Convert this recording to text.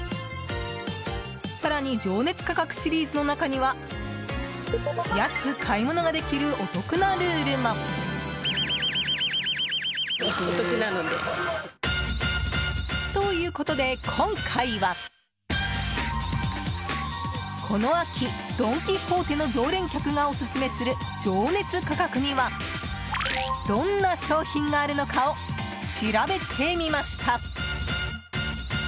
更に、情熱価格シリーズの中には安く買い物ができるお得なルールも！ということで今回はこの秋、ドン・キホーテの常連客がオススメする情熱価格には、どんな商品があるのかを調べてみました。